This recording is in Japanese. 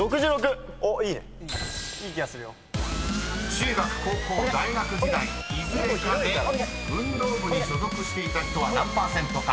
［中学高校大学時代いずれかで運動部に所属していた人は何％か］